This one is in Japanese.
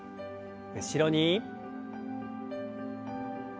後ろに。